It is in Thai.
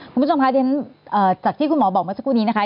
คุณผู้ชมคะเดี๋ยวจากที่คุณหมอบอกเมื่อสักครู่นี้นะคะ